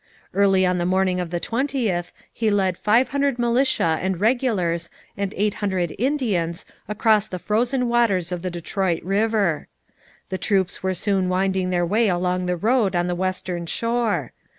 Early on the morning of the 20th he led five hundred militia and regulars and eight hundred Indians across the frozen waters of the Detroit river. The troops were soon winding their way along the road on the western shore.